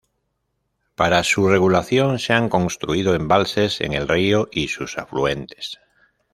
Para su regulación se han construido embalses en el río y sus afluentes.